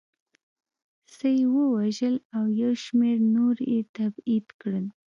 څه یې ووژل او یو شمېر نور یې تبعید کړل